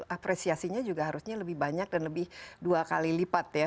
apresiasinya juga harusnya lebih banyak dan lebih dua kali lipat ya